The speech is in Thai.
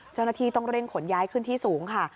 เจ้าหน้าที่ต้องเร่งขนย้ายขึ้นที่สูงค่ะ